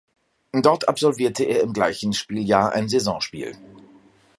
Dort absolvierte er im gleichen Spieljahr ein Saisonspiel.